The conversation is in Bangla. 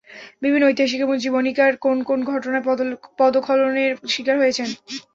বিভিন্ন ঐতিহাসিক এবং জীবনীকার কোন কোন ঘটনায় পদখলনের শিকার হয়েছেন।